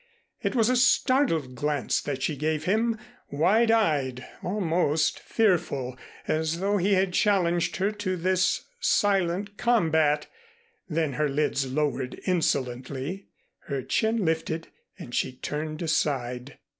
It was a startled glance that she gave him, wide eyed, almost fearful, as though he had challenged her to this silent combat. Then her lids lowered insolently, her chin lifted and she turned aside.